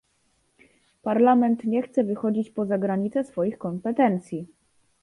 Parlament nie chce wychodzić poza granice swoich kompetencji